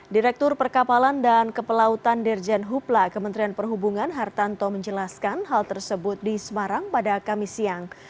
direktur perkapalan dan kepelautan dirjen hupla kementerian perhubungan hartanto menjelaskan hal tersebut di semarang pada kamis siang